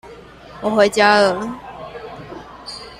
我回家了